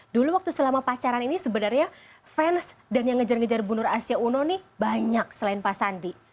dulu waktu selama pacaran ini sebenarnya fans dan yang ngejar ngejar bu nur asia uno ini banyak selain pak sandi